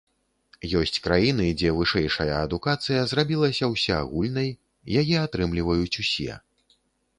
Ёсць краіны, дзе вышэйшая адукацыя зрабілася ўсеагульнай, яе атрымліваюць усе.